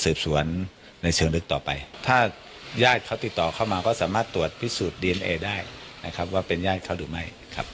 สืบสวนในเชิงลึกต่อไปถ้าญาติเขาติดต่อเข้ามาก็สามารถตรวจพิสูจน์ดีเอนเอได้นะครับว่าเป็นญาติเขาหรือไม่ครับ